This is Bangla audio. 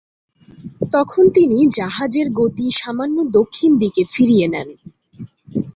তখন তিনি জাহাজের গতি সামান্য দক্ষিণ দিকে ফিরিয়ে নেন।